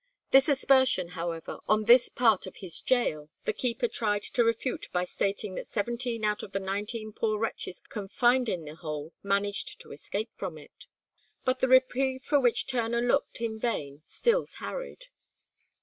This aspersion, however, on this part of his gaol the keeper tried to refute by stating that seventeen out of the nineteen poor wretches confined in the hole managed to escape from it. But the reprieve for which Turner looked in vain still tarried.